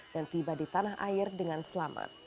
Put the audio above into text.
dan tiba di tanah air dengan selamat